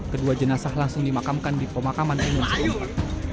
kedua jenis penyelidikan langsung dimakamkan di pemakaman indonesia